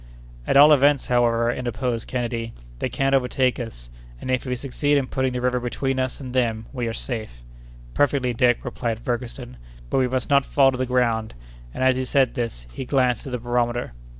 "At all events, however," interposed Kennedy, "they can't overtake us; and, if we succeed in putting the river between us and them, we are safe." "Perfectly, Dick," replied Ferguson; "but we must not fall to the ground!" and, as he said this, he glanced at the barometer.